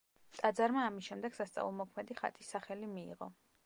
ტაძარმა ამის შემდეგ სასწაულმოქმედი ხატის სახელი მიიღო.